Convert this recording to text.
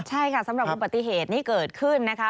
ใช่ค่ะสำหรับอุบัติเหตุนี้เกิดขึ้นนะคะ